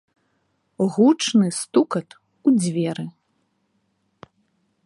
Гучны стукат у дзверы.